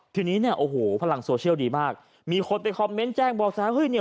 ที่นี้พลังโซเชียลดีมากมีคนไปคอมเมน์แจ้งบอกใส่